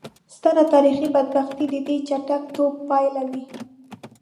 سترې تاریخي بدبختۍ د دې چټک ټوپ پایلې وې.